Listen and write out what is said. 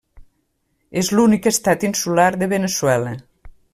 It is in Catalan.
És l'únic estat insular de Veneçuela.